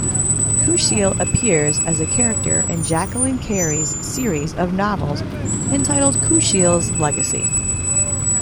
Kushiel appears as a character in Jacqueline Carey's series of novels entitled Kushiel's Legacy.